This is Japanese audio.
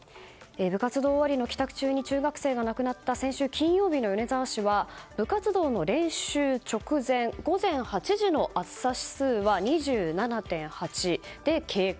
部活動終わりの帰宅中に中学生が亡くなった先週金曜日の米沢市は部活動の練習直前午前８時の暑さ指数は２７．８で警戒。